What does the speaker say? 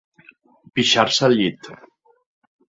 Pixar-se al llit.